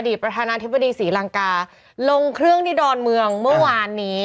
ประธานาธิบดีศรีลังกาลงเครื่องที่ดอนเมืองเมื่อวานนี้